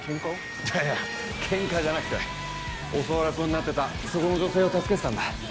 いや喧嘩じゃなくて襲われそうになってたそこの女性を助けてたんだ。